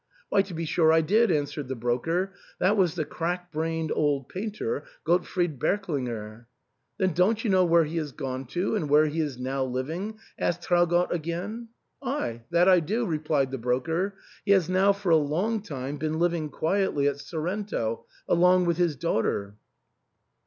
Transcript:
" "Why, to be sure I did," answered the broker ;" that was the crack brained old painter Grottfried Berklinger." " Then don't you know where he has gone to and where he is now liv ing ?" asked Traugott again. "Ay, that I do," replied the broker ;" he has now for a long time been living quietly at Sorrento along with his daughter."